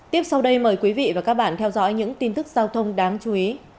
tiếp sau đây mời quý vị và các bạn theo dõi những tin tức giao thông đáng chú ý